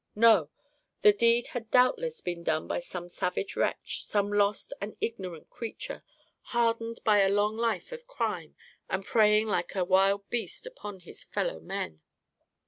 No! the deed had doubtless been done by some savage wretch, some lost and ignorant creature, hardened by a long life of crime, and preying like a wild beast upon his fellow men.